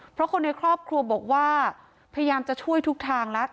เพราะคนในครอบครัวบอกว่าพยายามจะช่วยทุกทางแล้ว